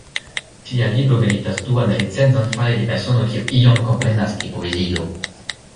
Tia libro meritas duan recenzon fare de persono kiu iom komprenas pri poezio!